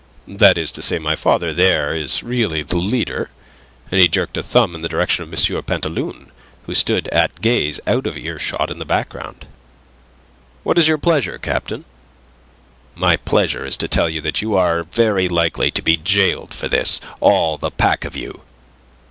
that is to say, my father, there, is really the leader." And he jerked a thumb in the direction of M. Pantaloon, who stood at gaze out of earshot in the background. "What is your pleasure, captain?" "My pleasure is to tell you that you are very likely to be gaoled for this, all the pack of you."